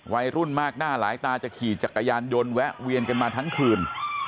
วัยรุ่นมากหน้าหลายตาจะขี่จักรยานยนต์แวะเวียนกันมาทั้งคืน